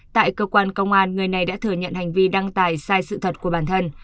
tại cơ quan công an người này đã thừa nhận hành vi đăng tải sai sự thật của bản thân